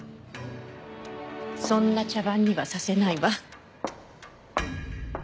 そんな茶番にはさせないわ。